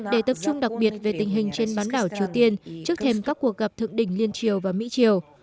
để tập trung đặc biệt về tình hình trên bán đảo triều tiên trước thêm các cuộc gặp thượng đỉnh liên triều và mỹ triều